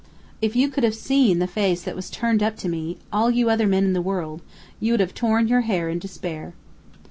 If you could have seen the face that was turned up to me, all you other men in the world, you would have torn your hair in despair.